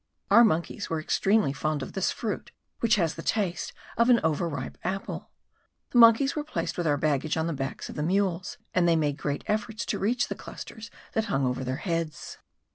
Our monkeys were extremely fond of this fruit, which has the taste of an over ripe apple. The monkeys were placed with our baggage on the backs of the mules, and they made great efforts to reach the clusters that hung over their heads.